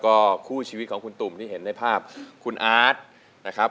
ก็คู่ชีวิตของคุณตุ่มที่เห็นในภาพคุณอาร์ตนะครับ